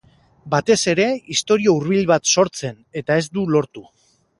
Batez ere, istorio hurbil bat sortzen, eta ez du lortu.